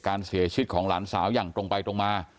การเสียชีวิตของหลานสาวอย่างตรงไปตรงมา